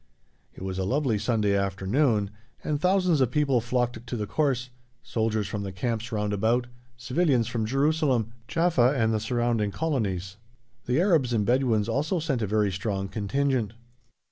It was a lovely sunny afternoon, and thousands of people flocked to the course, soldiers from the camps round about, civilians from Jerusalem, Jaffa, and the surrounding colonies; the Arabs and Bedouins also sent a very strong contingent.